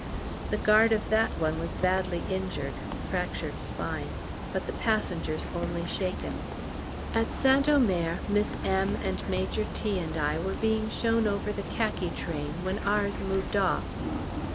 The guard of that one was badly injured (fractured spine), but the passengers only shaken. At St Omer Miss M. and Major T. and I were being shown over the Khaki Train when ours moved off.